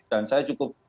dan saya cukup